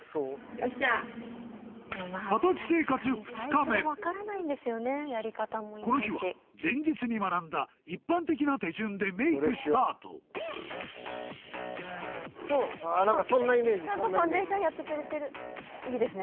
形生活２日目この日は前日に学んだ一般的な手順でメイクスタート何かそんなイメージちゃんとファンデーションやってくれてるいいですね